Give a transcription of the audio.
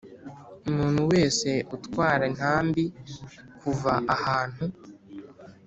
Umuntu wese utwara intambi kuva ahantu